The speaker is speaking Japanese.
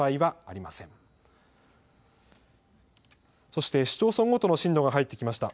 そして市町村ごとの震度が入ってきました。